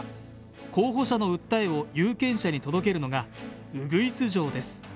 候補者の訴えを有権者に届けるのがウグイス嬢です。